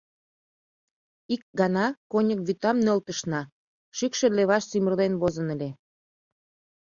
Ик гана коньык вӱтам нӧлтышна — шӱкшӧ леваш сӱмырлен возын ыле.